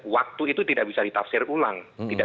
waktu itu tidak bisa ditafsir ulang